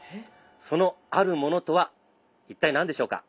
そのあるモノとは一体何でしょうか？